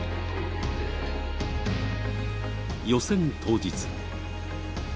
予選当日。